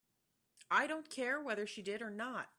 I don't care whether she did or not.